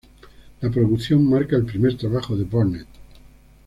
La producción marca el primer trabajo de Burnett.